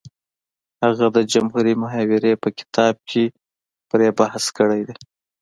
هغه د جمهوري محاورې په کتاب کې پرې بحث کړی دی